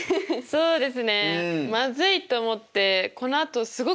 そうです。